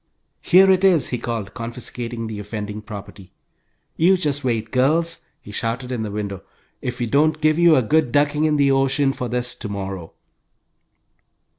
"Here it is!" he called, confiscating the offending property. "You just wait, girls!" he shouted in the window. "If we don't give you a good ducking in the ocean for this to morrow!"